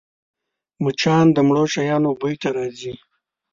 مچان د مړو شیانو بوی ته راځي